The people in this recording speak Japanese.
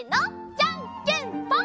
じゃんけんぽん！